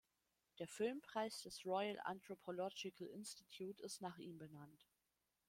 Der Filmpreis des Royal Anthropological Institute ist nach ihm benannt.